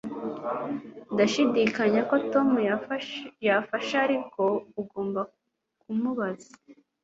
Ndashidikanya ko Tom yafasha ariko ugomba kumubaza